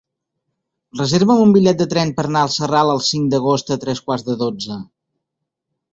Reserva'm un bitllet de tren per anar a Sarral el cinc d'agost a tres quarts de dotze.